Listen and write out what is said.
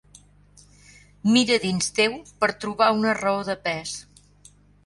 Mira dins teu per trobar una raó de pes.